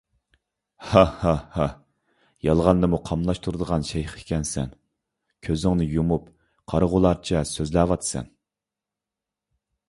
ھا! ھا! ھا! يالغاننىمۇ قاملاشتۇرىدىغان شەيخ ئىكەنسەن! كۆزۈڭنى يۇمۇپ قارىغۇلارچە سۆزلەۋاتىسەن.